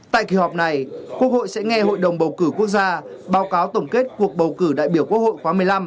tại kỳ họp này quốc hội sẽ nghe hội đồng bầu cử quốc gia báo cáo tổng kết cuộc bầu cử đại biểu quốc hội khóa một mươi năm